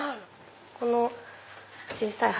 この小さい箱。